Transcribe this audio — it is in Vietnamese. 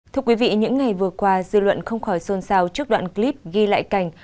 thưa quý vị những ngày vừa qua dư luận không khỏi xôn xao trước đoạn clip ghi lại cảnh